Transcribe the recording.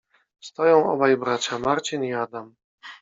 Stoją obaj bracia: Marcin i Adam.